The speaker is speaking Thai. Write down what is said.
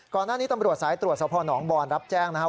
ก่อนหน้านี้ตำรวจสายตรวจสพหนองบอลรับแจ้งนะครับ